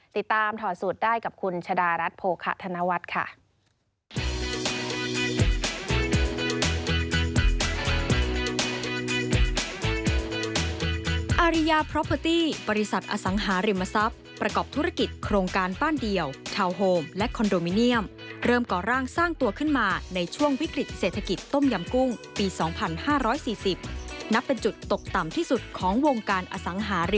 ถอดสูตรได้กับคุณชะดารัฐโภคะธนวัฒน์ค่ะ